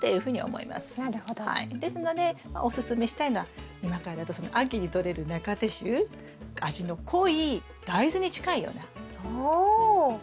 ですのでおすすめしたいのは今からだとその秋にとれる中生種味の濃い大豆に近いような味のエダマメなんですが。